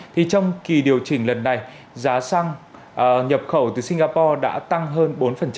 thì trong kỳ điều chỉnh lần này giá xăng nhập khẩu từ singapore đã tăng hơn bốn